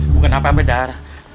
bukan apa apa dar